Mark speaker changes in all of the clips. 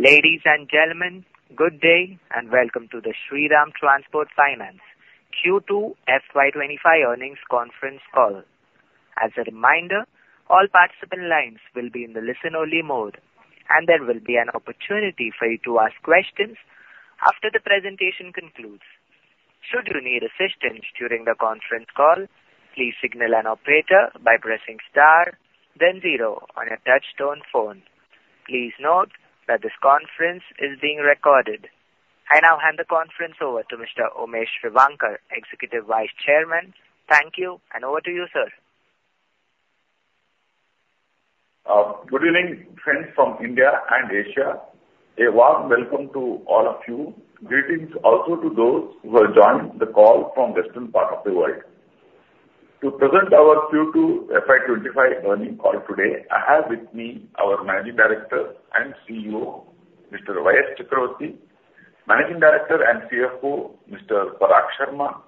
Speaker 1: Ladies and gentlemen, good day, and Welcome to the Shriram Transport Finance Q2 FY 2025 Earnings Conference Call. As a reminder, all participant lines will be in the listen-only mode, and there will be an opportunity for you to ask questions after the presentation concludes. Should you need assistance during the conference call, please signal an operator by pressing star then zero on your touchtone phone. Please note that this conference is being recorded. I now hand the conference over to Mr. Umesh Revankar, Executive Vice Chairman. Thank you, and over to you, sir.
Speaker 2: Good evening, friends from India and Asia. A warm welcome to all of you. Greetings also to those who have joined the call from Western part of the world. To present our Q2 FY 2025 earnings call today, I have with me our Managing Director and CEO, Mr. Y.S. Chakravarti, Managing Director and CFO, Mr. Parag Sharma,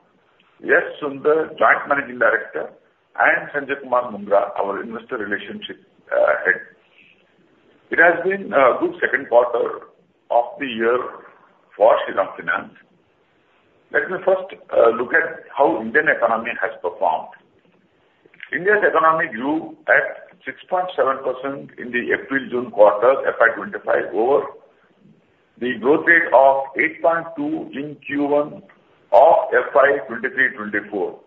Speaker 2: S. Sunder, Joint Managing Director, and Sanjay Mundra, our Investor Relations Head. It has been a good second quarter of the year for Shriram Finance. Let me first look at how Indian economy has performed. India's economy grew at 6.7% in the April-June quarter, FY 2025, over the growth rate of 8.2% in Q1 of FY 2023-2024.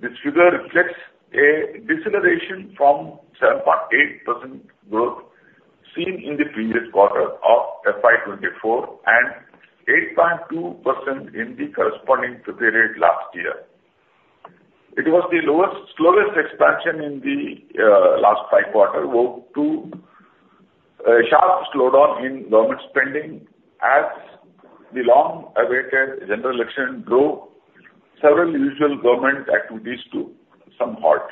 Speaker 2: This figure reflects a deceleration from 7.8% growth seen in the previous quarter of FY 2024 and 8.2% in the corresponding period last year. It was the lowest, slowest expansion in the last five quarter, owing to a sharp slowdown in government spending as the long-awaited general election drove several usual government activities to some halt.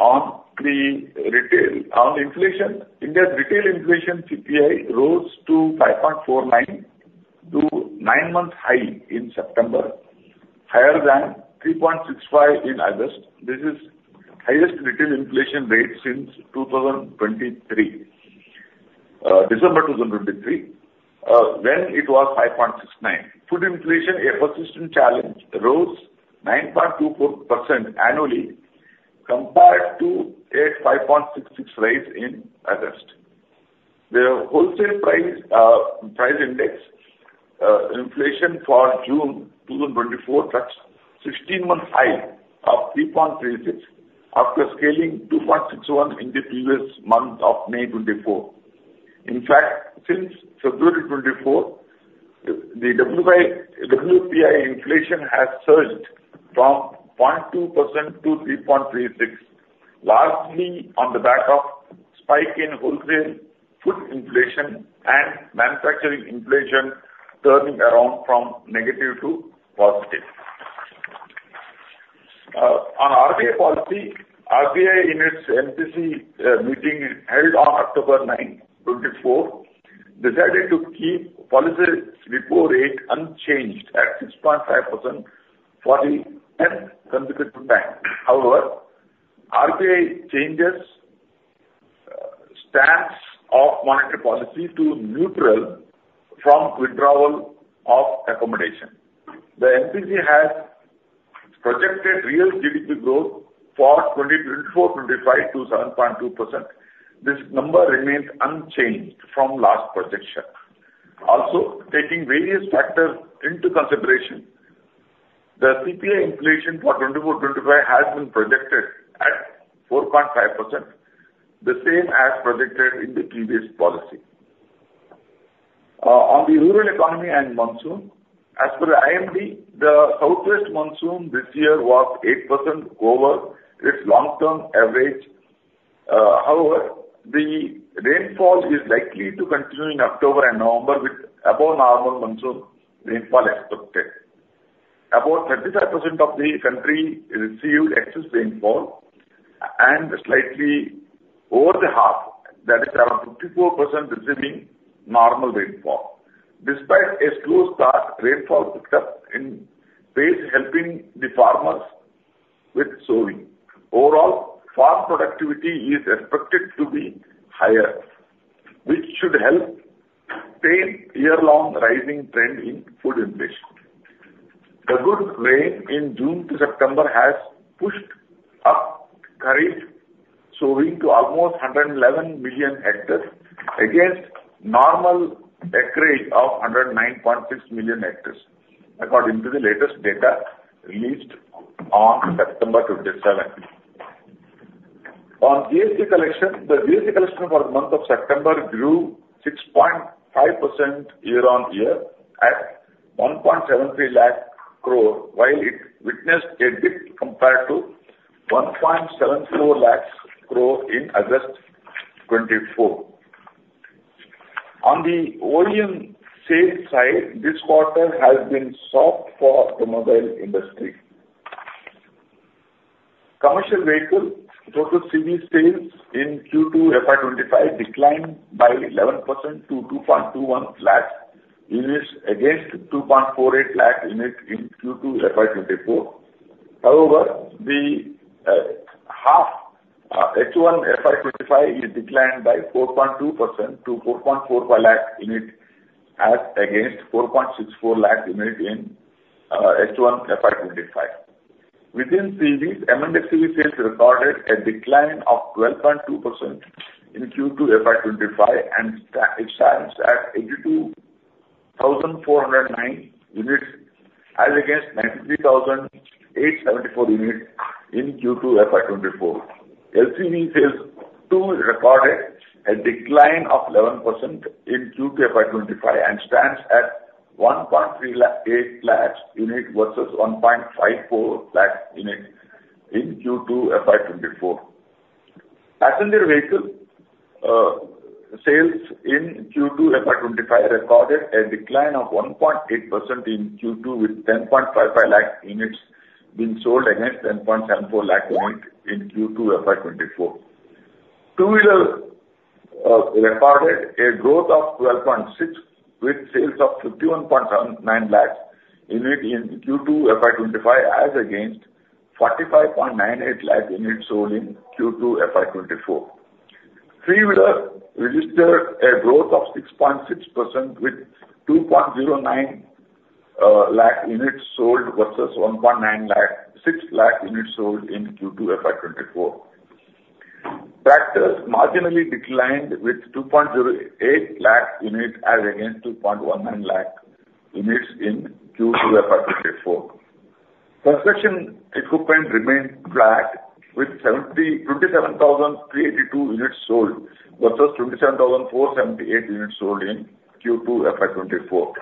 Speaker 2: On the retail, on inflation, India's retail inflation CPI rose to 5.49, to nine-month high in September, higher than 3.65 in August. This is highest retail inflation rate since 2023, December 2023, when it was 5.69. Food inflation, a persistent challenge, rose 9.24% annually compared to a 5.66 rise in August. The Wholesale Price Index inflation for June 2024 touched a 16-month high of 3.36%, after scaling 2.61% in the previous month of May 2024. In fact, since February 2024, the WPI inflation has surged from 0.2% to 3.36%, largely on the back of spike in wholesale food inflation and manufacturing inflation turning around from negative to positive. On RBI policy, RBI in its MPC meeting held on October 9, 2024, decided to keep policy repo rate unchanged at 6.5% for the tenth consecutive time. However, RBI changes stance of monetary policy to neutral from withdrawal of accommodation. The MPC has projected real GDP growth for 2024-25 to 7.2%. This number remains unchanged from last projection. Also, taking various factors into consideration, the CPI inflation for 2024-2025 has been projected at 4.5%, the same as projected in the previous policy. On the rural economy and monsoon, as per the IMD, the Southwest Monsoon this year was 8% over its long-term average. However, the rainfall is likely to continue in October and November, with above normal monsoon rainfall expected. About 35% of the country received excess rainfall and slightly over the half, that is, around 54%, receiving normal rainfall. Despite a slow start, rainfall picked up in pace, helping the farmers with sowing. Overall, farm productivity is expected to be higher, which should help tame year-long rising trend in food inflation. The good rain in June to September has pushed up Kharif sowing to almost 111 million hectares, against normal acreage of 109.6 million hectares, according to the latest data released on September 27. On GST collection, the GST collection for the month of September grew 6.5% year-on-year, at 1.73 lakh crore, while it witnessed a dip compared to 1.74 lakh crore in August 2024. On the OEM sales side, this quarter has been soft for automobile industry. Commercial vehicle, total CV sales in Q2 FY 2025 declined by 11% to 2.21 lakh units, against 2.48 lakh units in Q2 FY 2024. However, the half H1 FY 2025 is declined by 4.2% to 4.4 lakh units as against 4.64 lakh units in H1 FY 2024. Within CVs, M&HCV sales recorded a decline of 12.2% in Q2 FY 2025, and it stands at 82,409 units, as against 93,874 units in Q2 FY 2024. LCV sales too recorded a decline of 11% in Q2 FY 2025, and stands at 1.38 lakh units versus 1.54 lakh units in Q2 FY 2024. Passenger vehicle sales in Q2 FY 2025 recorded a decline of 1.8% in Q2, with 10.55 lakh units being sold against 10.74 lakh units in Q2 FY 2024. Two-wheeler recorded a growth of 12.6, with sales of 51.79 lakh units in Q2 FY 2025, as against 45.98 lakh units sold in Q2 FY 2024. Three-wheeler registered a growth of 6.6% with 2.09 lakh units sold versus 1.96 lakh units sold in Q2 FY 2024. Tractors marginally declined with 2.08 lakh units as against 2.19 lakh units in Q2 FY 2024. Construction equipment remained flat, with 27,382 units sold versus 27,478 units sold in Q2 FY 2024.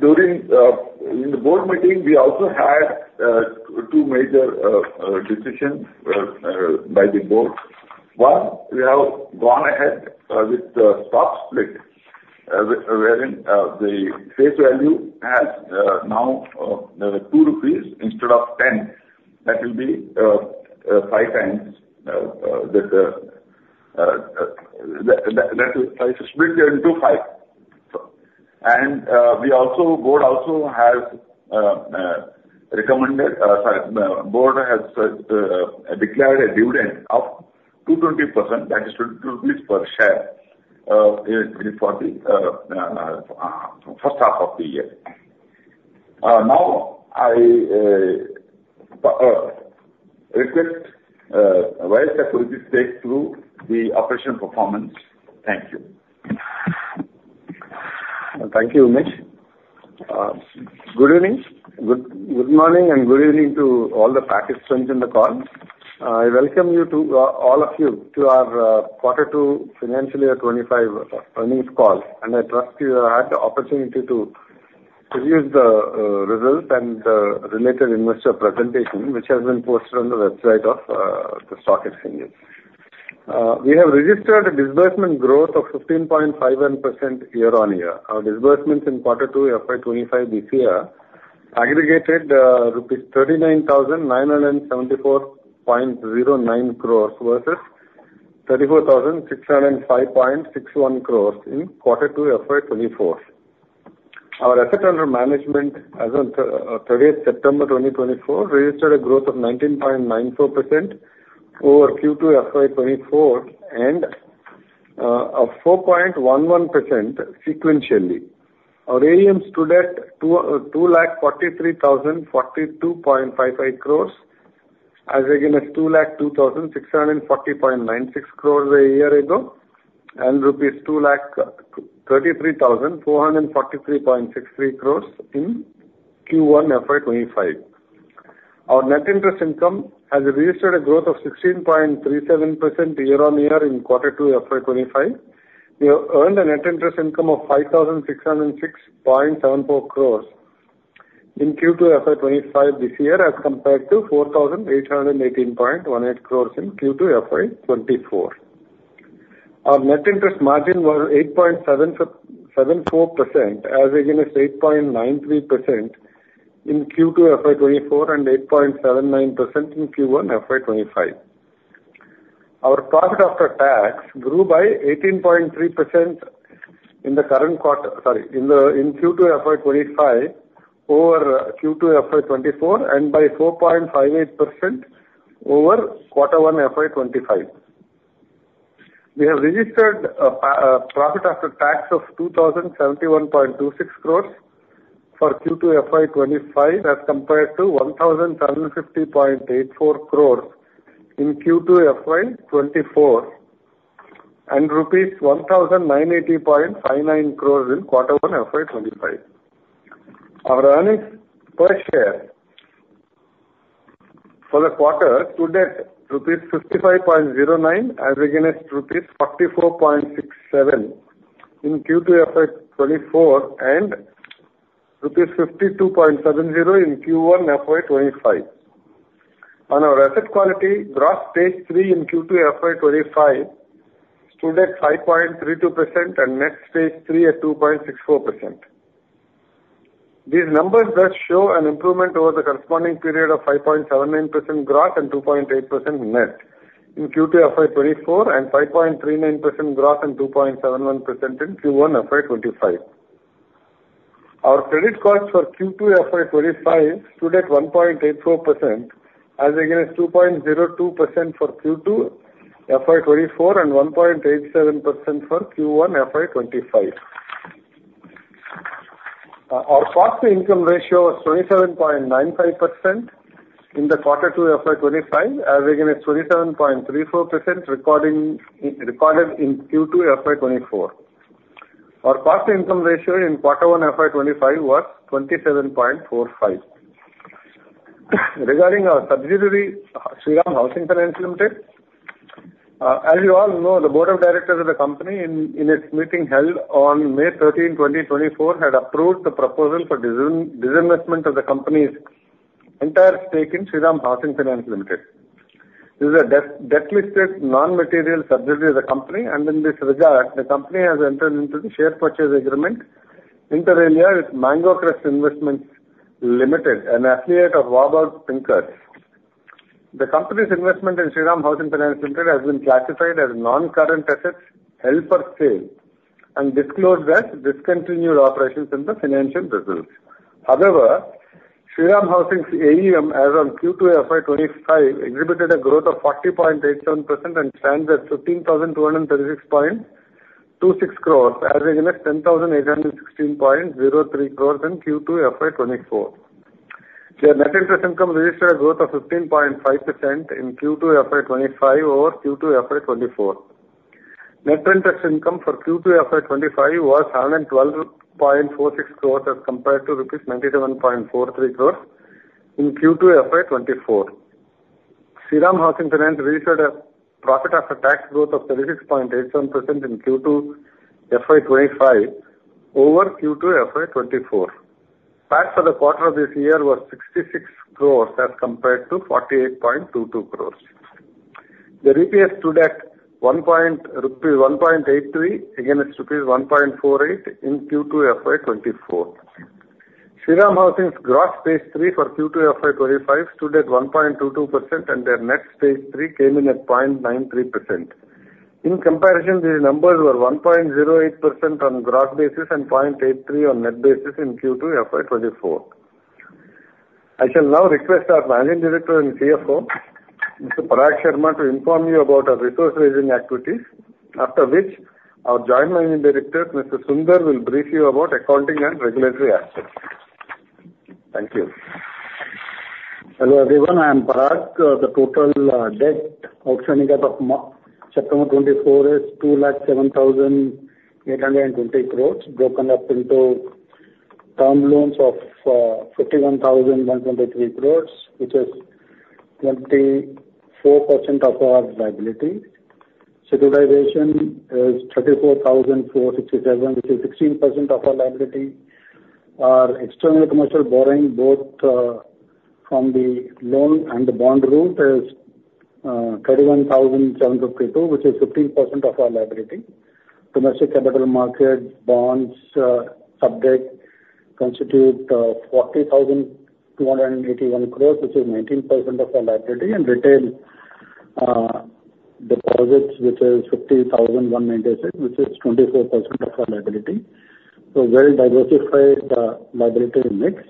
Speaker 2: During the board meeting, we also had two major decisions by the board. One, we have gone ahead with the stock split, wherein the face value is now 2 rupees instead of 10, that will be five times, that is split into five. So, and we also, the board has recommended. Sorry, the board has declared a dividend of 220%, that is INR 22 per share for the first half of the year. Now I request Y. Chakravarti to take us through the operational performance. Thank you.
Speaker 3: Thank you, Umesh. Good evening. Good morning, and good evening to all the participants in the call. I welcome all of you to our quarter two financial year 2025 earnings call. I trust you have had the opportunity to review the results and the related investor presentation, which has been posted on the website of the stock exchange. We have registered a disbursement growth of 15.51% year-on-year. Our disbursements in quarter two FY 2025 this year aggregated rupees 39,974.09 crore versus 34,605.61 crore in quarter two FY 2024. Our assets under management as on 30th September 2024 registered a growth of 19.94% over Q2 FY 2024, and of 4.11% sequentially. Our AUM stood at 2,43,042.55 crore, as against 2,02,640.96 crore a year ago, and rupees 2,33,443.63 crore in Q1 FY 2025. Our net interest income has registered a growth of 16.37% year-on-year in quarter two FY 2025. We have earned a net interest income of 5,606.74 crore in Q2 FY 2025 this year, as compared to 4,818.18 crore in Q2 FY 2024. Our net interest margin was 8.74%, as against 8.93% in Q2 FY 2024, and 8.79% in Q1 FY 2025. Our profit after tax grew by 18.3% in the current quarter, sorry, in Q2 FY 2025 over Q2 FY 2024, and by 4.58% over quarter one FY 2025. We have registered a profit after tax of 2,071.26 crore for Q2 FY 2025, as compared to 1,750.84 crore in Q2 FY 2024, and rupees 1,980.59 crore in quarter one FY 2025. Our earnings per share for the quarter stood at rupees 55.09, as against rupees 44.67 in Q2 FY 2024, and rupees 52.70 in Q1 FY 2025. On our asset quality, Gross Stage 3 in Q2 FY 2025 stood at 5.32% and Net Stage 3 at 2.64%. These numbers does show an improvement over the corresponding period of 5.79% gross and 2.8% net... in Q2 FY 2024, and 5.39% gross and 2.71% in Q1 FY 2025. Our credit cost for Q2 FY 2025 stood at 1.84%, as against 2.02% for Q2 FY 2024, and 1.87% for Q1 FY 2025. Our cost-to-income ratio was 27.95% in quarter two FY 2025, as against 27.34% recorded in Q2 FY 2024. Our cost-to-income ratio in quarter one, FY 2025, was 27.45. Regarding our subsidiary, Shriram Housing Finance Limited, as you all know, the board of directors of the company in its meeting held on May 13, 2024, had approved the proposal for disinvestment of the company's entire stake in Shriram Housing Finance Limited. This is a delisted, non-material subsidiary of the company, and in this regard, the company has entered into the share purchase agreement, inter alia, with Mango Crest Investment Limited, an affiliate of Warburg Pincus. The company's investment in Shriram Housing Finance Limited has been classified as non-current assets held for sale and disclosed as discontinued operations in the financial results. However, Shriram Housing's AUM, as of Q2 FY 2025, exhibited a growth of 40.87% and stands at 15,236.26 crore, as against 10,816.03 crore in Q2 FY 2024. Their net interest income registered a growth of 15.5% in Q2 FY 2025 over Q2 FY 2024. Net interest income for Q2 FY 2025 was 112.46 crore as compared to INR 97.43 crore in Q2 FY 2024. Shriram Housing Finance registered a profit after tax growth of 36.87% in Q2 FY 2025 over Q2 FY 2024. Tax for the quarter of this year was 66 crore as compared to 48.22 crore. The EPS stood at rupee 1.83 against rupee 1.48 in Q2 FY 2024. Shriram Housing's Gross Stage 3 for Q2 FY 2025 stood at 1.22%, and their Net Stage 3 came in at 0.93%. In comparison, these numbers were 1.08% on gross basis and 0.83% on net basis in Q2 FY 2024. I shall now request our Managing Director and CFO, Mr. Parag Sharma, to inform you about our resource-raising activities, after which our Joint Managing Director, Mr. S. Sunder, will brief you about accounting and regulatory aspects. Thank you.
Speaker 4: Hello, everyone. I'm Parag. The total debt outstanding as of September 2024 is 207,820 crore, broken up into term loans of 51,123 crore, which is 24% of our liability. Securitization is 34,467 crore, which is 16% of our liability. Our external commercial borrowing, both from the loan and the bond route is 31,752 crore rupees, which is 15% of our liability. Domestic capital market bonds, which constitute 40,281 crore, which is 19% of our liability. And retail deposits, which is 50,196 crore, which is 24% of our liability. So well-diversified liability mix,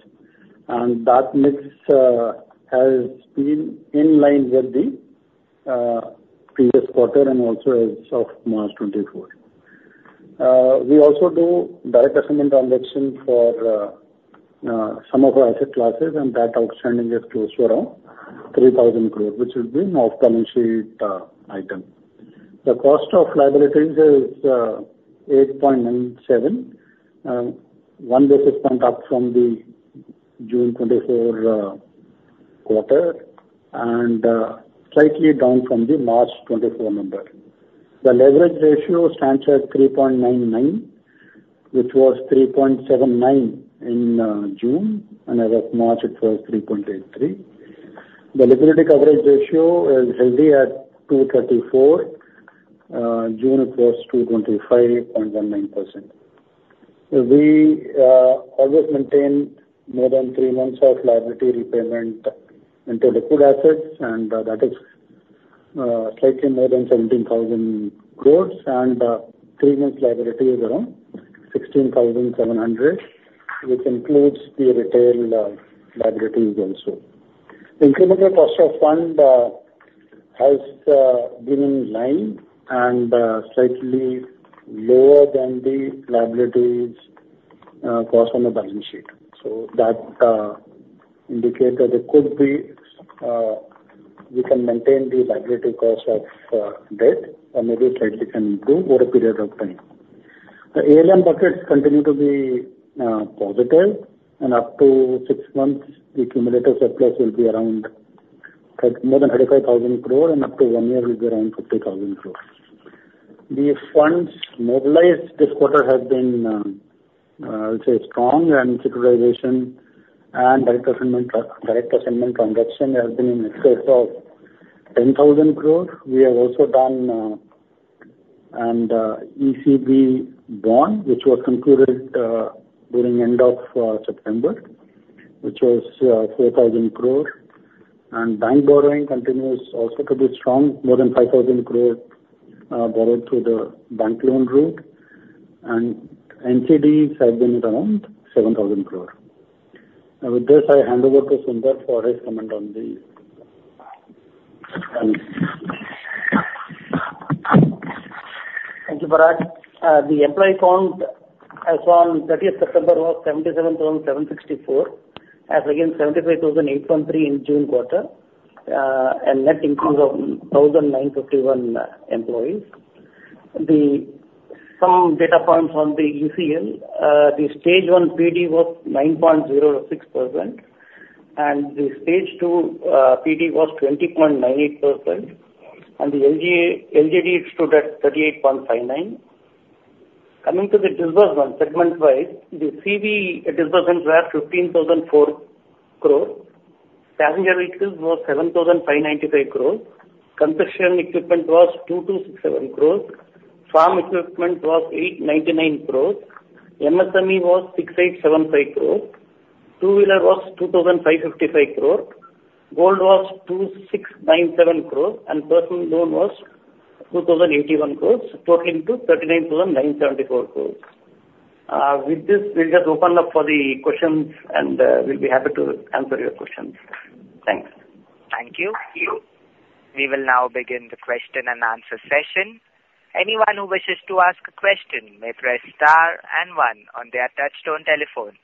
Speaker 4: and that mix has been in line with the previous quarter and also as of March 2024. We also do direct assignment transaction for some of our asset classes, and that outstanding is close to around 3,000 crore, which will be an off-balance sheet item. The cost of liabilities is 8.97, one basis point up from the June 2024 quarter, and slightly down from the March 2024 number. The leverage ratio stands at 3.99, which was 3.79 in June, and as of March, it was 3.83. The liquidity coverage ratio is healthy at 234. June, it was 225.19%. We always maintain more than three months of liability repayment into liquid assets, and that is slightly more than 17,000 crore, and three months' liability is around 16,700 crore, which includes the retail liabilities also. Incremental cost of fund has been in line and slightly lower than the liabilities cost on the balance sheet. So that indicates that there could be we can maintain the liability cost of debt or maybe slightly can improve over a period of time. The ALM buckets continue to be positive, and up to six months, the cumulative surplus will be around more than 35,000 crore, and up to one year will be around 50,000 crore. The funds mobilized this quarter has been, I'll say, strong, and securitization and direct assignment transaction has been in excess of 10,000 crores. We have also done... and ECB bond, which was concluded during end of September, which was 4,000 crore. And bank borrowing continues also to be strong, more than 5,000 crore borrowed through the bank loan route, and NCDs have been around 7,000 crore. Now, with this, I hand over to Sunder for his comment on this.
Speaker 5: Thank you, Parag. The employee count as on 30th September was 77,764, as against 75,813 in June quarter, a net increase of 1,951 employees. Then some data points on the ECL, the Stage 1 PD was 9.06%, and the Stage 2 PD was 20.98%, and the LGD stood at 38.59. Coming to the disbursement segment-wise, the CV disbursements were 15,400 crore. Passenger vehicles was 7,595 crores, construction equipment was 2,267 crores, farm equipment was 899 crores, MSME was 6,875 crores, two-wheeler was 2,555 crore, gold was 2,697 crores, and personal loan was 2,081 crores, totaling to 39,974 crores. With this, we'll just open up for the questions, and we'll be happy to answer your questions. Thanks.
Speaker 1: Thank you. We will now begin the question and answer session. Anyone who wishes to ask a question may press star and one on their touchtone telephone.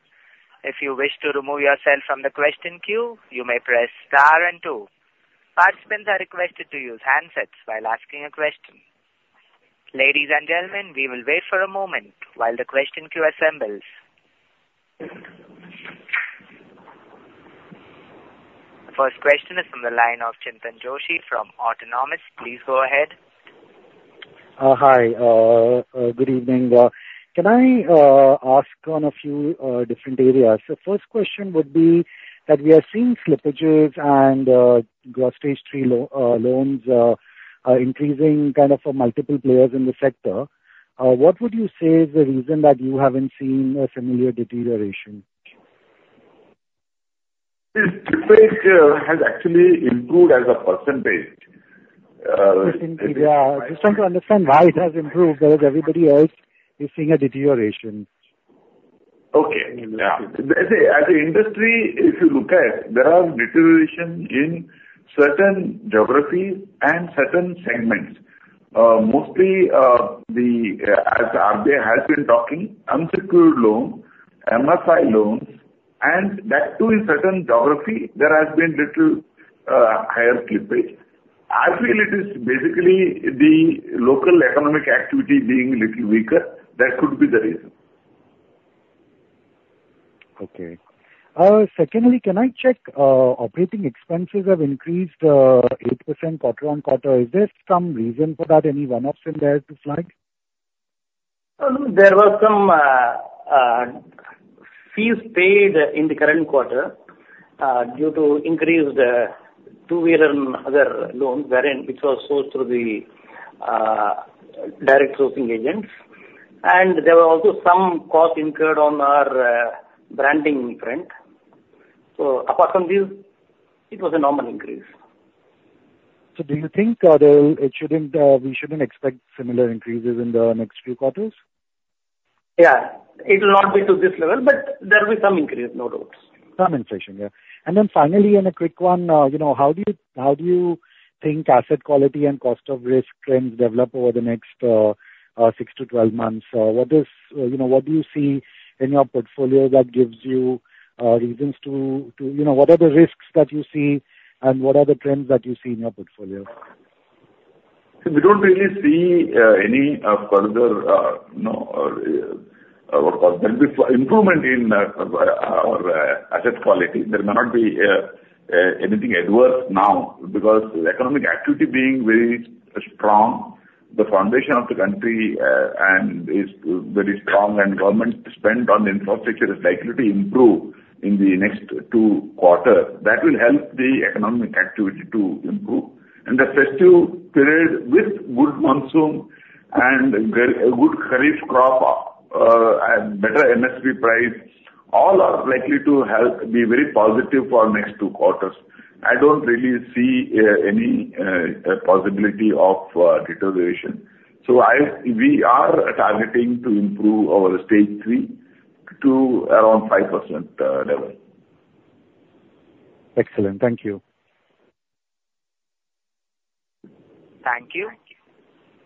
Speaker 1: If you wish to remove yourself from the question queue, you may press star and two. Participants are requested to use handsets while asking a question. Ladies and gentlemen, we will wait for a moment while the question queue assembles. The first question is from the line of Chintan Joshi from Autonomous. Please go ahead.
Speaker 6: Hi, good evening. Can I ask on a few different areas? The first question would be that we are seeing slippages and Gross Stage 3 loans increasing kind of for multiple players in the sector. What would you say is the reason that you haven't seen a similar deterioration?
Speaker 2: The slippage has actually improved as a percentage.
Speaker 6: Yeah, just want to understand why it has improved, because everybody else is seeing a deterioration?
Speaker 2: Okay. Yeah. As a industry, if you look at, there are deterioration in certain geographies and certain segments. Mostly, the, as RJ has been talking, unsecured loans, MFI loans, and that too in certain geography, there has been little higher slippage. I feel it is basically the local economic activity being little weaker. That could be the reason.
Speaker 6: Okay. Secondly, can I check, operating expenses have increased 8% quarter-on-quarter. Is there some reason for that, any one-offs in there to flag?
Speaker 5: Well, there was some fees paid in the current quarter due to increased two-wheeler and other loans wherein which was sourced through the direct sourcing agents. And there were also some costs incurred on our branding front. So apart from this, it was a normal increase.
Speaker 6: So do you think there will? It shouldn't. We shouldn't expect similar increases in the next few quarters?
Speaker 5: Yeah. It will not be to this level, but there will be some increase, no doubts.
Speaker 6: Some inflation, yeah. And then finally, and a quick one, you know, how do you think asset quality and cost of risk trends develop over the next six to 12 months? What is, you know, what do you see in your portfolio that gives you reasons to, you know, what are the risks that you see, and what are the trends that you see in your portfolio?
Speaker 2: We don't really see any further, you know, what called, there'll be improvement in our asset quality. There may not be anything adverse now, because the economic activity being very strong, the foundation of the country and is very strong, and government spend on infrastructure is likely to improve in the next two quarters. That will help the economic activity to improve, and the festive period with good monsoon and good, a good Kharif crop and better MSP price, all are likely to help be very positive for next two quarters. I don't really see any possibility of deterioration. So we are targeting to improve our Stage 3 to around 5% level.
Speaker 6: Excellent. Thank you.
Speaker 1: Thank you.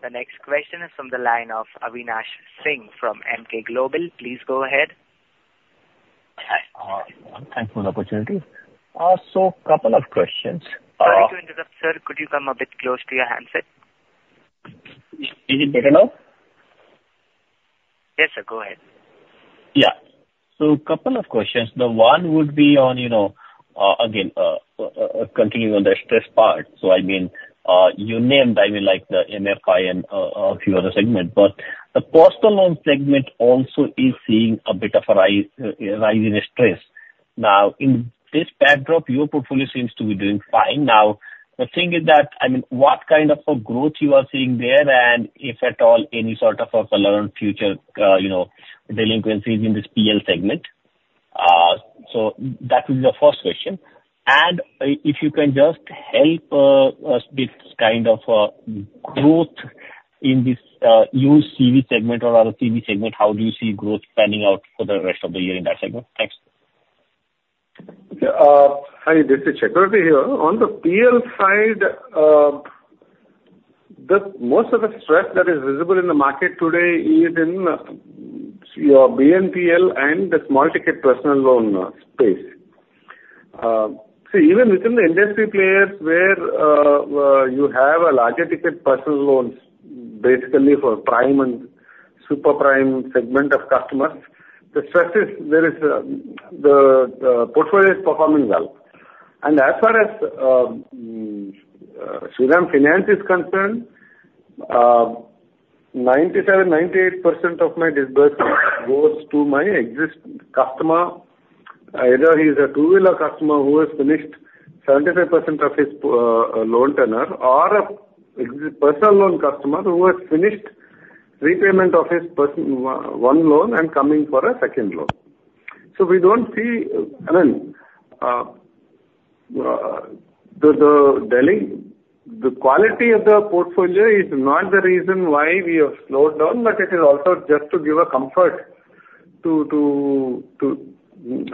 Speaker 1: The next question is from the line of Avinash Singh from Emkay Global. Please go ahead.
Speaker 7: Hi, thanks for the opportunity, so couple of questions,
Speaker 1: Sorry to interrupt, sir. Could you come a bit close to your handset?
Speaker 7: Is it better now?
Speaker 1: Yes, sir, go ahead.
Speaker 7: Yeah. So couple of questions. The one would be on, you know, again, continuing on the stress part. So I mean, you named, I mean, like, the MFI and, a few other segments, but the personal loan segment also is seeing a bit of a rise, a rise in stress. Now, in this backdrop, your portfolio seems to be doing fine. Now, the thing is that, I mean, what kind of a growth you are seeing there, and if at all, any sort of a color on future, you know, delinquencies in this PL segment? So that is the first question. And, if you can just help, us with kind of, growth in this, used CV segment or other CV segment, how do you see growth panning out for the rest of the year in that segment? Thanks.
Speaker 3: Hi, this is Chakravarti here. On the PL side, the most of the stress that is visible in the market today is in your BNPL and the small ticket personal loan space. So even within the industry players where you have a larger ticket personal loans, basically for prime and super prime segment of customers, the stress is there, the portfolio is performing well. And as far as Shriram Finance is concerned, 97%-98% of my disbursement goes to my existing customer. Either he's a two-wheeler customer who has finished 75% of his loan tenure, or an ex-personal loan customer who has finished repayment of his personal loan and coming for a second loan. So we don't see, I mean, the quality of the portfolio is not the reason why we have slowed down, but it is also just to give a comfort to.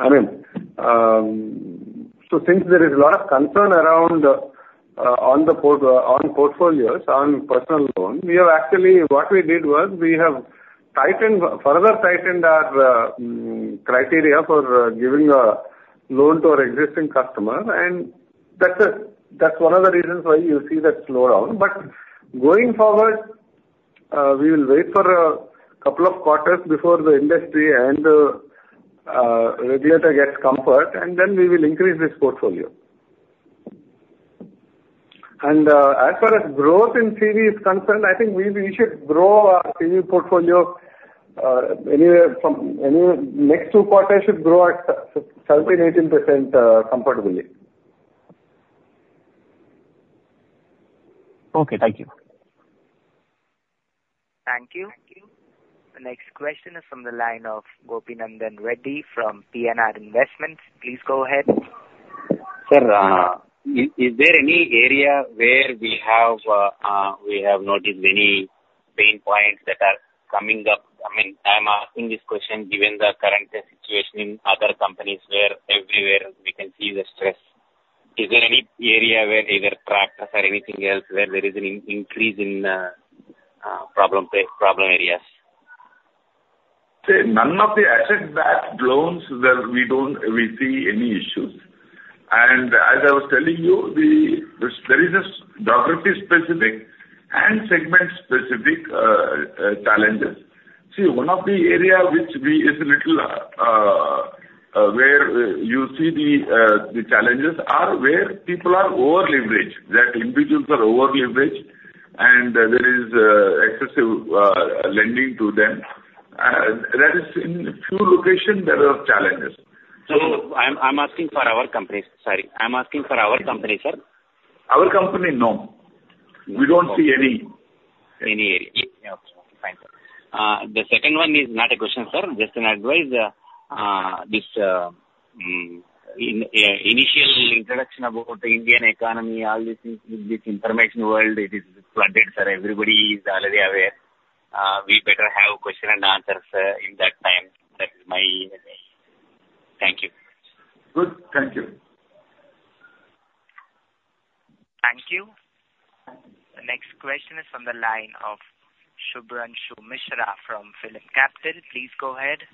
Speaker 3: I mean, so since there is a lot of concern around on portfolios, on personal loans, we have actually, what we did was, we have further tightened our criteria for giving a loan to our existing customer, and that's one of the reasons why you see that slowdown. But going forward, we will wait for a couple of quarters before the industry and regulator gets comfort, and then we will increase this portfolio. As far as growth in CV is concerned, I think we should grow our CV portfolio anywhere from next two quarters should grow at 17%-18% comfortably.
Speaker 7: Okay, thank you.
Speaker 1: Thank you. The next question is from the line of Gopinanthan Reddy from PNR Investments. Please go ahead.
Speaker 8: Sir, is there any area where we have noticed any pain points that are coming up? I mean, I'm asking this question given the current situation in other companies where everywhere we can see the stress. Is there any area where either tractors or anything else, where there is an increase in problem space, problem areas?
Speaker 2: So none of the asset-backed loans that we don't see any issues. And as I was telling you, there is a geography-specific and segment-specific challenges. See, one of the area which we is a little, where you see the challenges are where people are over-leveraged. That individuals are over-leveraged, and there is excessive lending to them. That is in few locations there are challenges.
Speaker 8: I'm asking for our company. Sorry, I'm asking for our company, sir.
Speaker 2: Our company, no. We don't see any-
Speaker 8: Any area. Yeah, okay. Fine, sir. The second one is not a question, sir, just an advice. This, in initial introduction about the Indian economy, all these things, with this information world, it is flooded, sir. Everybody is already aware. We better have question and answers, in that time. That is my... Thank you.
Speaker 2: Good. Thank you.
Speaker 1: Thank you. The next question is from the line of Shubhranshu Mishra from PhillipCapital. Please go ahead.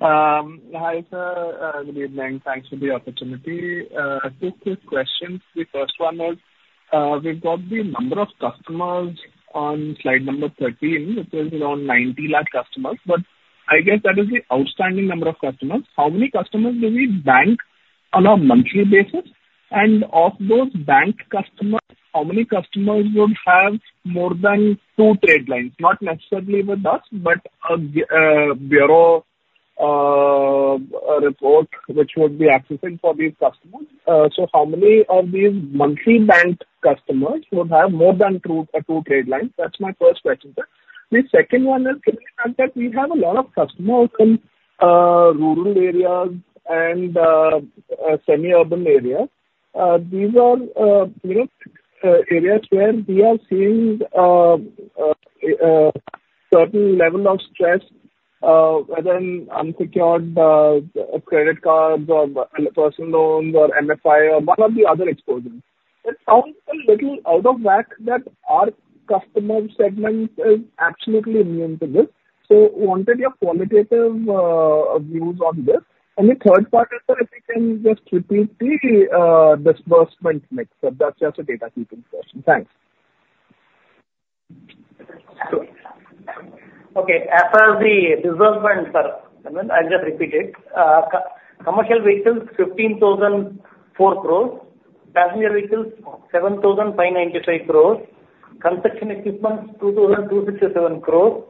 Speaker 9: Hi, sir. Good evening. Thanks for the opportunity. Two quick questions. The first one is, we've got the number of customers on slide number 13, which is around ninety lakh customers, but I guess that is the outstanding number of customers. How many customers do we bank on a monthly basis? And of those bank customers, how many customers would have more than two trade lines? Not necessarily with us, but a bureau report which would be accessing for these customers. So how many of these monthly bank customers would have more than two trade lines? That's my first question, sir. The second one is, given the fact that we have a lot of customers in rural areas and semi-urban areas, these are you know certain level of stress, whether in unsecured credit cards or personal loans or MFI or one of the other exposures. It sounds a little out of whack that our customer segment is absolutely immune to this. So wanted your qualitative views on this. And the third part is, sir, if you can just repeat the disbursement mix, sir. That's just a data keeping question. Thanks.
Speaker 5: Okay. As far as the disbursement, sir, I mean, I'll just repeat it. Commercial vehicles, 15,004 crores. Passenger vehicles, 7,595 crores. Construction equipment, 2,267 crore.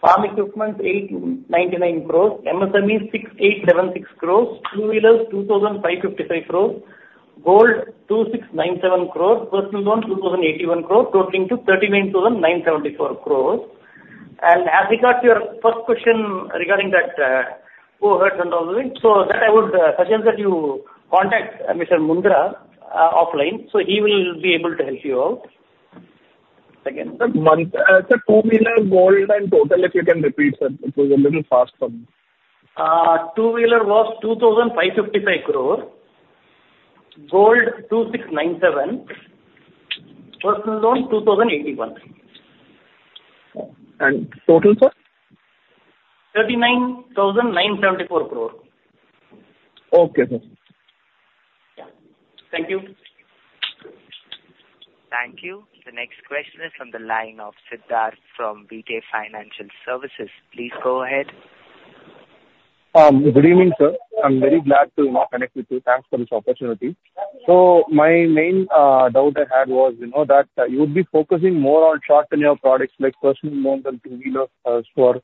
Speaker 5: Farm equipment, 899 crores. MSME, 6,876 crores. Two-wheelers, 2,555 crores. Gold, 2,697 crores. Personal loans, 2,081 crores, totaling to 39,974 crores. And as regards to your first question regarding that, overheads and all, so that I would suggest that you contact Mr. Mundra, offline, so he will be able to help you out. Again?
Speaker 9: Sir, month, sir, two-wheeler, gold, and total, if you can repeat, sir. It was a little fast for me.
Speaker 5: Two-Wheeler was 2,555 crore. Gold, 2,697. Personal Loan, 2,081.
Speaker 9: Total, sir?
Speaker 5: 39,974 crore.
Speaker 9: Okay, sir.
Speaker 5: Yeah. Thank you.
Speaker 1: Thank you. The next question is from the line of Siddharth from VK Financial Services. Please go ahead. Good evening, sir. I'm very glad to connect with you. Thanks for this opportunity. So my main doubt I had was, you know, that you would be focusing more on short-term products like personal loans and two-wheeler for,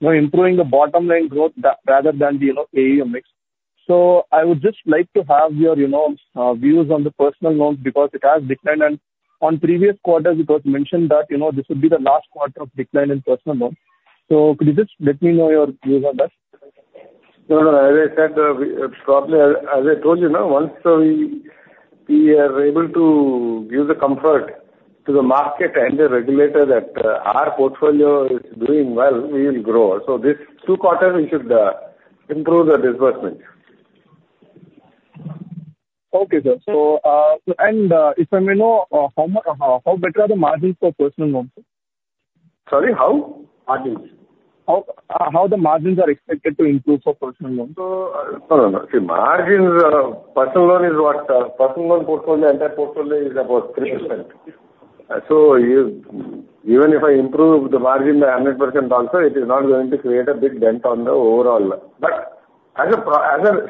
Speaker 1: you know, improving the bottom line growth rather than the, you know, AUM mix. So I would just like to have your, you know, views on the personal loans, because it has declined, and on previous quarters, it was mentioned that, you know, this would be the last quarter of decline in personal loan, so could you just let me know your views on that?
Speaker 3: No, no, as I said, as I told you, no, once we are able to give the comfort to the market and the regulator that our portfolio is doing well, we will grow. So this two quarters, we should improve the disbursement. Okay, sir. So, if I may know, how better are the margins for personal loans, sir? Sorry, how? Margins. How the margins are expected to improve for personal loans? So, no, no, no. See, margins, personal loan is what, personal loan portfolio, entire portfolio is about 3%. So you, even if I improve the margin by 100% also, it is not going to create a big dent on the overall. But as a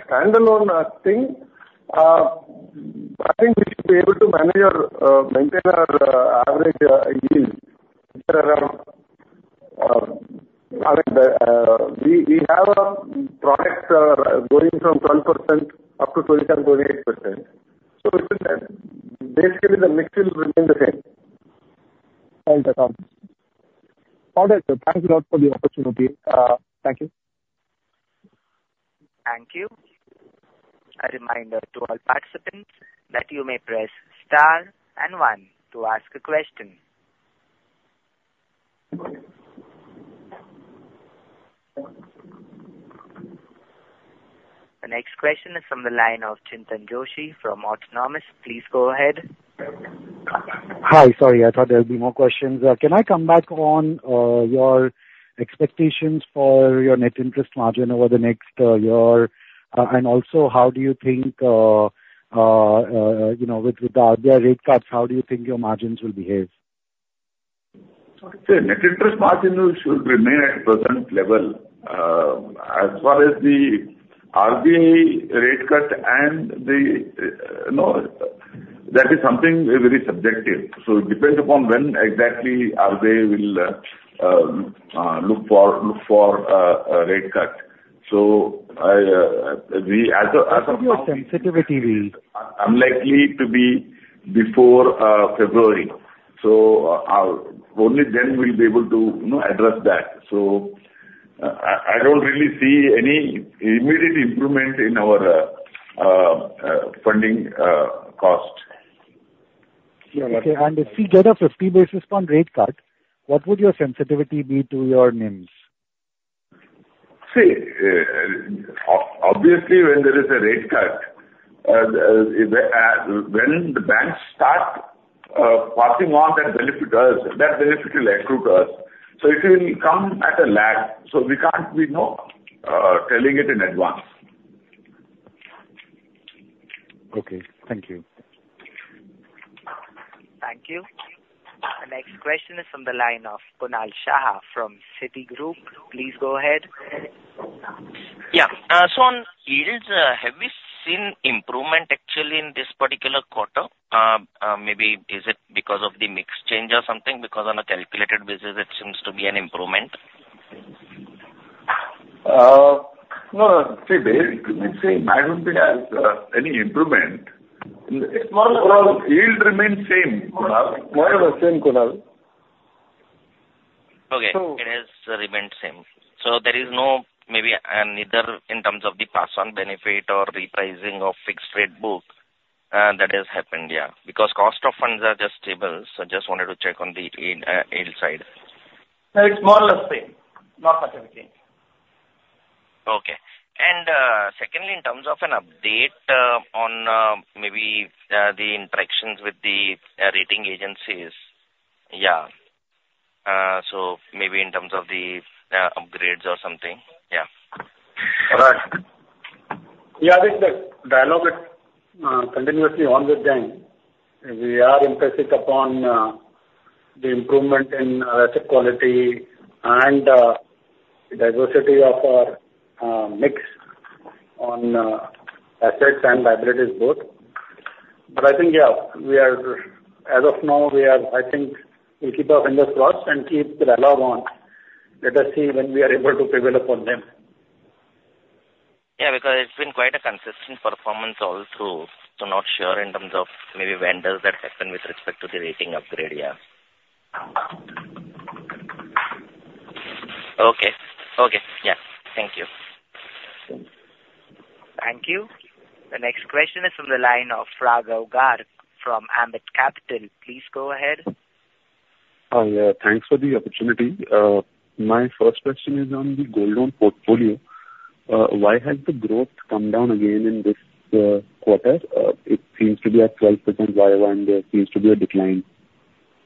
Speaker 3: standalone thing, I think we should be able to manage our maintain our average yield around we have our products going from 12% up to 27%-28%. So basically, the mix will remain the same. Right, okay. All right, sir, thank you a lot for the opportunity. Thank you.
Speaker 1: Thank you. A reminder to all participants that you may press star and one to ask a question. The next question is from the line of Chintan Joshi from Autonomous. Please go ahead.
Speaker 6: Hi. Sorry, I thought there would be more questions. Can I come back on your expectations for your net interest margin over the next year? And also, how do you think, you know, with the RBI rate cuts, how do you think your margins will behave?
Speaker 2: Okay. Net interest margin should remain at present level. As far as the RBI rate cut and the, no, that is something very subjective, so it depends upon when exactly RBI will look for a rate cut. So I, we as a, as a-
Speaker 6: What would your sensitivity be?
Speaker 2: Unlikely to be before February. So, only then we will be able to, you know, address that. So I don't really see any immediate improvement in our funding cost.
Speaker 6: Okay. And if we get a fifty basis point rate cut, what would your sensitivity be to your NIMs?
Speaker 2: See, obviously, when there is a rate cut, when the banks start passing on that benefit to us, that benefit will accrue to us. So it will come at a lag, so we can't be, you know, telling it in advance.
Speaker 6: Okay. Thank you.
Speaker 1: Thank you. The next question is from the line of Kunal Shah from Citigroup. Please go ahead.
Speaker 10: Yeah. So on yields, have we seen improvement actually in this particular quarter? Maybe is it because of the mix change or something? Because on a calculated basis, it seems to be an improvement.
Speaker 2: No, see, there, see, I don't think there's any improvement. It's more or less yield remains same, Kunal.
Speaker 3: More or less same, Kunal.
Speaker 10: Okay. So It has remained same, so there is no maybe, neither in terms of the pass-on benefit or repricing of fixed rate book, that has happened, yeah. Because cost of funds are just stable, so just wanted to check on the yield side.
Speaker 5: No, it's more or less same. Not significant.
Speaker 10: Okay. And, secondly, in terms of an update, on maybe the interactions with the rating agencies. Yeah. So maybe in terms of the upgrades or something, yeah.
Speaker 4: Right. Yeah, I think the dialogue is continuously on with them. We are emphatic upon the improvement in asset quality and diversity of our mix on assets and liabilities both. But I think, yeah, we are, as of now, I think we'll keep our fingers crossed and keep the radar on. Let us see when we are able to prevail upon them.
Speaker 10: Yeah, because it's been quite a consistent performance all through, so not sure in terms of maybe when does that happen with respect to the rating upgrade, yeah. Okay. Okay, yeah. Thank you.
Speaker 1: Thank you. The next question is from the line of Raghav Garg from Ambit Capital. Please go ahead.
Speaker 11: Hi, yeah, thanks for the opportunity. My first question is on the gold loan portfolio. Why has the growth come down again in this quarter? It seems to be at 12% Y-O-Y, and there seems to be a decline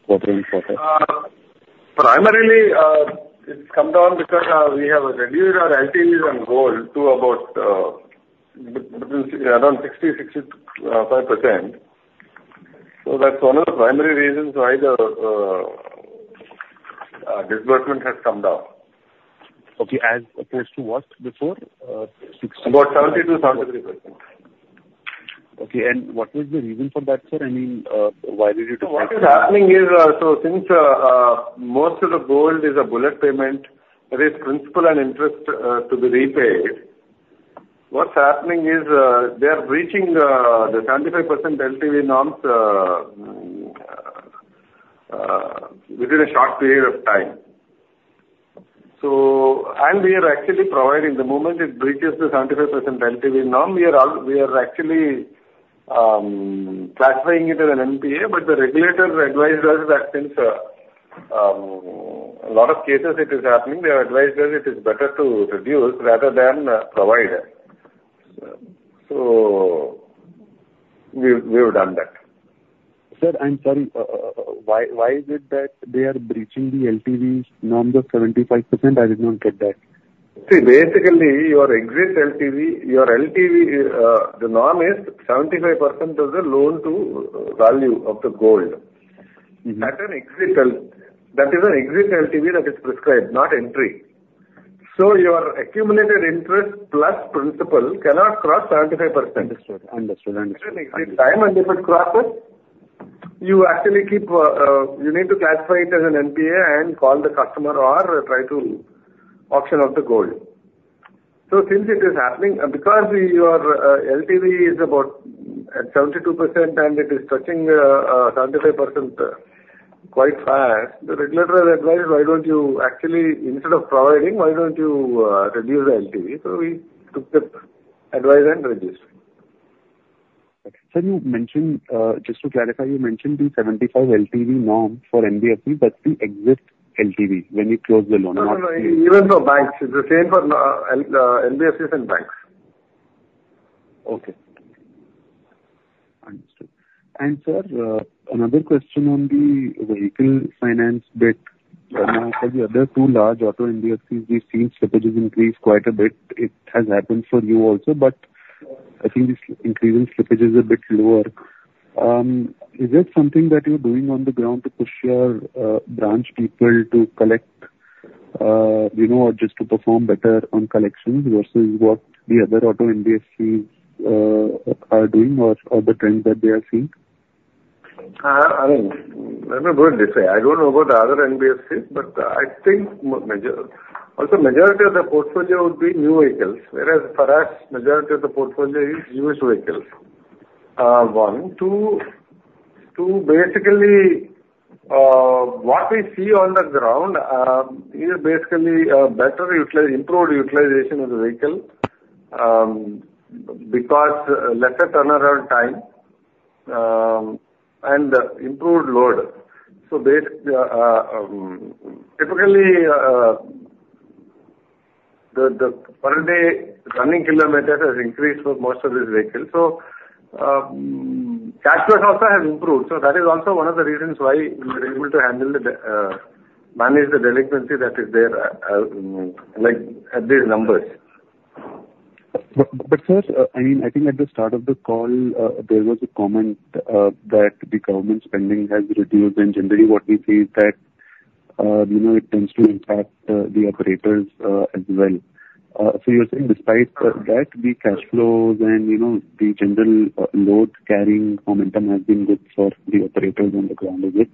Speaker 11: quarter-on-quarter.
Speaker 3: Primarily, it's come down because we have reduced our LTVs on gold to about 60%-65%. So that's one of the primary reasons why the disbursement has come down.
Speaker 11: Okay. As opposed to what before, sixty-
Speaker 3: About 70%-73%.
Speaker 11: Okay, and what was the reason for that, sir? I mean, why did you decide to-
Speaker 3: What's happening is, so since most of the gold is a bullet payment, that is, principal and interest to be repaid, what's happening is, they are breaching the 75% LTV norms within a short period of time. So. And we are actually providing, the moment it breaches the 75% LTV norm, we are actually classifying it as an NPA, but the regulators advised us that since a lot of cases it is happening, they have advised us it is better to reduce rather than provide it. So, we have done that.
Speaker 11: Sir, I'm sorry. Why is it that they are breaching the LTV norms of 75%? I did not get that.
Speaker 3: See, basically, your exit LTV, your LTV, the norm is 75% of the loan to value of the gold.
Speaker 11: Mm-hmm.
Speaker 3: At an exit LTV. That is an exit LTV that is prescribed, not entry. So your accumulated interest plus principal cannot cross 75%.
Speaker 11: Understood.
Speaker 3: With time, and if it crosses, you actually keep, you need to classify it as an NPA and call the customer or try to auction off the gold. So since it is happening, and because we, your, LTV is about, at 72%, and it is touching, 75% quite fast, the regulator advised, "Why don't you actually, instead of providing, why don't you, reduce the LTV?" So we took the advice and reduced.
Speaker 11: Sir, you mentioned, just to clarify, you mentioned the 75 LTV norm for NBFC, that's the exit LTV when you close the loan, or not?
Speaker 3: No, no, even for banks. It's the same for NBFCs and banks.
Speaker 11: Okay. Understood. And sir, another question on the vehicle finance bit. For the other two large auto NBFCs, we've seen slippages increase quite a bit. It has happened for you also, but I think the increase in slippage is a bit lower. Is there something that you're doing on the ground to push your branch people to collect, you know, or just to perform better on collections versus what the other auto NBFCs are doing or, or the trends that they are seeing?
Speaker 3: I mean, let me put it this way: I don't know about the other NBFCs, but I think majority of the portfolio would be new vehicles, whereas for us, majority of the portfolio is used vehicles, one. Two, basically, what we see on the ground is basically improved utilization of the vehicle, because lesser turnaround time and improved load. So typically, the per day running kilometers has increased for most of these vehicles. So, cash flow also has improved, so that is also one of the reasons why we are able to manage the delinquency that is there, like, at these numbers.
Speaker 11: But sir, I mean, I think at the start of the call, there was a comment that the government spending has reduced, and generally what we see is that, you know, it tends to impact the operators as well. So you're saying despite that, the cash flows and, you know, the general load carrying momentum has been good for the operators on the ground, is it?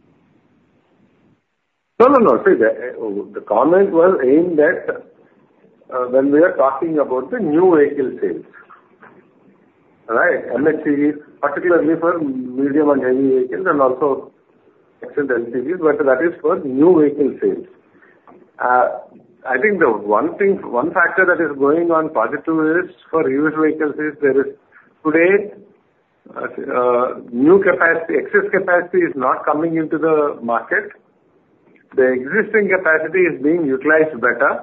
Speaker 3: No, no, no. See, the comment was in that when we are talking about the new vehicle sales, right? M&HCVs, particularly for medium and heavy vehicles, and also exit LTVs, but that is for new vehicle sales. I think the one thing, one factor that is going on positive is, for used vehicles, there is today new capacity. Excess capacity is not coming into the market. The existing capacity is being utilized better.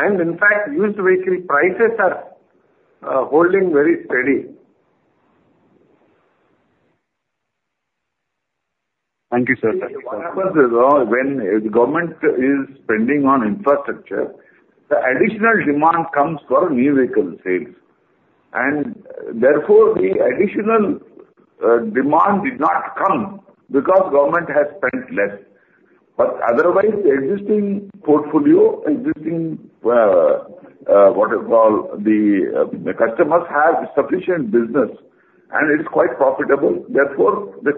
Speaker 3: And in fact, used vehicle prices are holding very steady.
Speaker 11: Thank you, sir.
Speaker 2: What happens is, when the government is spending on infrastructure, the additional demand comes for new vehicle sales. And therefore, the additional demand did not come because government has spent less. But otherwise, the existing portfolio, what you call, the customers have sufficient business, and it is quite profitable. Therefore, the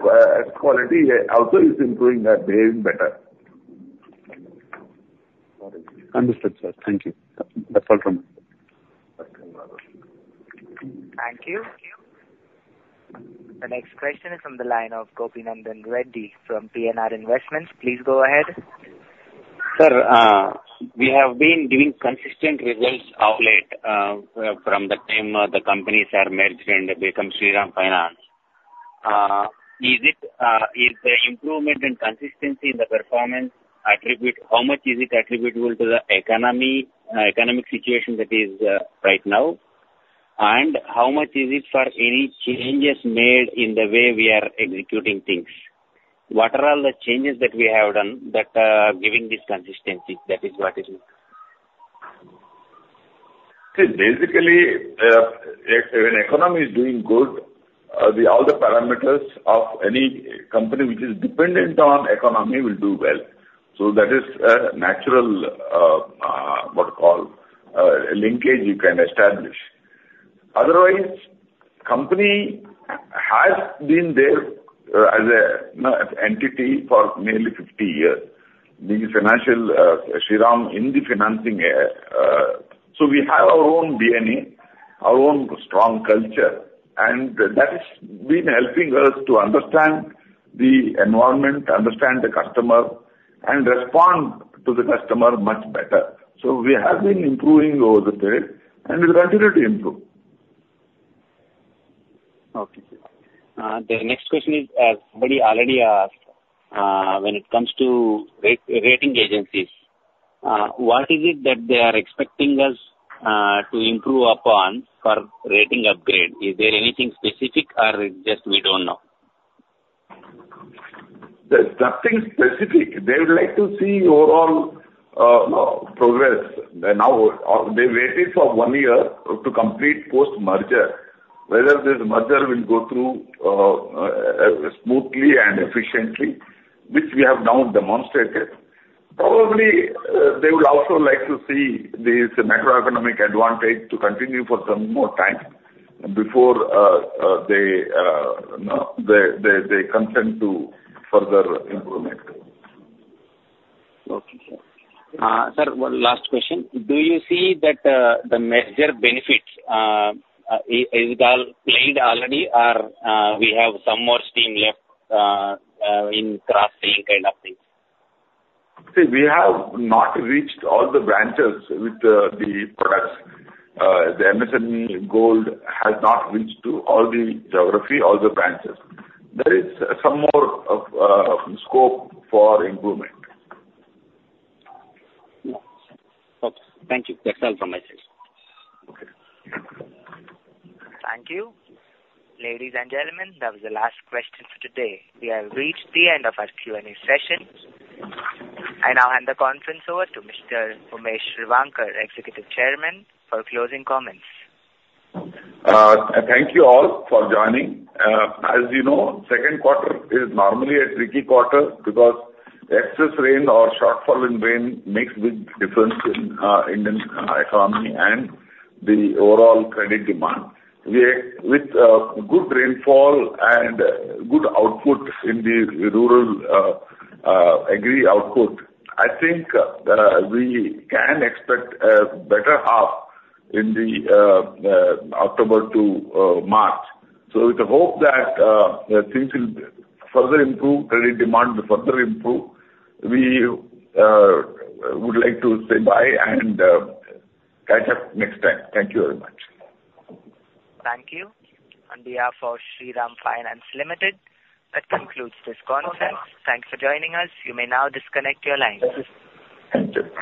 Speaker 2: quality also is improving, being better.
Speaker 11: Understood, sir. Thank you. That's all from me.
Speaker 1: Thank you. The next question is from the line of Gopinanthan Reddy from PNR Investments. Please go ahead.
Speaker 8: Sir, we have been giving consistent results of late, from the time the companies are merged and become Shriram Finance. Is it, is the improvement in consistency in the performance attribute? How much is it attributable to the economy, economic situation that is right now? And how much is it for any changes made in the way we are executing things? What are all the changes that we have done that giving this consistency? That is what it is.
Speaker 2: See, basically, when economy is doing good, the all the parameters of any company which is dependent on economy will do well. So that is a natural, what you call, linkage you can establish. Otherwise, company has been there, as an entity for nearly fifty years, the financial Shriram Finance. So we have our own DNA, our own strong culture, and that has been helping us to understand the environment, understand the customer, and respond to the customer much better. So we have been improving over the period, and we will continue to improve.
Speaker 8: Okay. The next question is, somebody already asked, when it comes to rating agencies, what is it that they are expecting us to improve upon for rating upgrade? Is there anything specific or it's just we don't know?
Speaker 2: There's nothing specific. They would like to see overall progress. Now, they waited for one year to complete post-merger, whether this merger will go through smoothly and efficiently, which we have now demonstrated. Probably, they would also like to see this macroeconomic advantage to continue for some more time before they consent to further improvement.
Speaker 8: Okay. Sir, one last question: Do you see that the merger benefits is all played already or we have some more steam left in cross-selling kind of things?
Speaker 2: See, we have not reached all the branches with the products. The MSME Gold has not reached to all the geography, all the branches. There is some more scope for improvement.
Speaker 8: Okay. Thank you. That's all from my side.
Speaker 2: Okay.
Speaker 1: Thank you. Ladies and gentlemen, that was the last question for today. We have reached the end of our Q&A session. I now hand the conference over to Mr. Umesh Revankar, Executive Chairman, for closing comments.
Speaker 2: Thank you all for joining. As you know, second quarter is normally a tricky quarter because excess rain or shortfall in rain makes big difference in Indian economy and the overall credit demand. We are with good rainfall and good output in the rural agri output. I think we can expect a better half in the October to March. So with the hope that things will further improve, credit demand will further improve, we would like to say bye and catch up next time. Thank you very much.
Speaker 1: Thank you. On behalf of Shriram Finance Limited, that concludes this conference. Thanks for joining us. You may now disconnect your lines.
Speaker 2: Thank you.